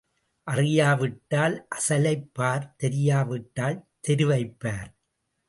அறியா விட்டால் அசலைப் பார் தெரியா விட்டால் தெருவைப்பார்.